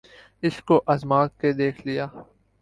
عشق کو آزما کے دیکھ لیا